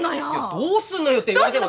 どうすんのよって言われても。